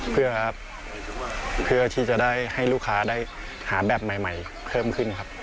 เพื่อที่จะได้ให้ลูกค้าได้หาแบบใหม่เพิ่มขึ้นครับ